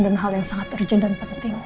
dan hal yang sangat urgent dan penting